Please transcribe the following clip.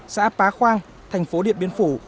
xã pá khoang thành phố điện biên phủ